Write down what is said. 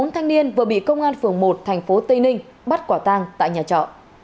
bốn thanh niên vừa bị công an phường một thành phố tây ninh bắt quả tang tại nhà trọ